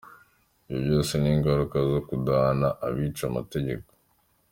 Ibyo byose ni ingaruka zo kudahana abica amategeko.